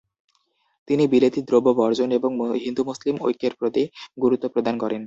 তিনি বিলেতি দ্রব্য বর্জন এবং হিন্দু-মুসলিম ঐক্যের প্রতি গুরুত্ব প্রদান করেন।